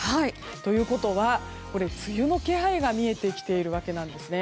ということは、梅雨の気配が見えてきているわけなんですね。